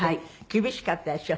厳しかったでしょ？